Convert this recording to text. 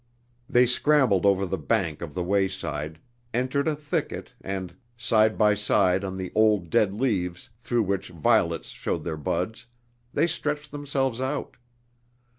They scrambled over the bank of the way side, entered a thicket and, side by side on the old dead leaves through which violets showed their buds, they stretched themselves out.